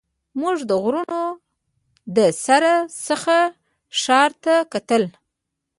موږ د غرونو له سر څخه ښار ته کتل.